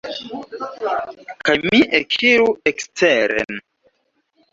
Kaj mi ekiru eksteren.